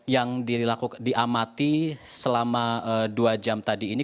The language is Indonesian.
yang diamati selama dua jam tadi ini